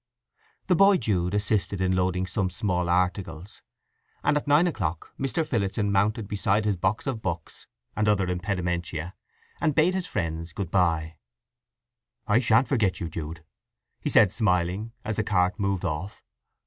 The boy Jude assisted in loading some small articles, and at nine o'clock Mr. Phillotson mounted beside his box of books and other impedimenta, and bade his friends good bye. "I shan't forget you, Jude," he said, smiling, as the cart moved off.